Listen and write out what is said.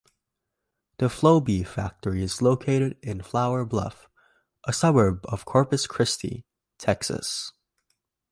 The Flowbee factory is located in Flour Bluff, a suburb of Corpus Christi, Texas.